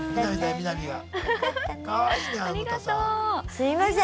すいません。